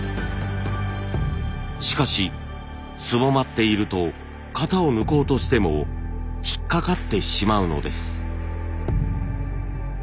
しかしすぼまっていると型を抜こうとしても引っ掛かってしまうのです。